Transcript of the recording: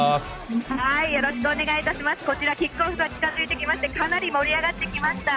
こちら、キックオフが近づいてきましてかなり盛り上がってきました。